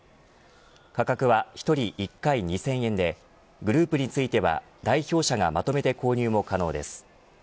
価格は１人１回２０００円でグループについては代表者がまとめて購入も可能です。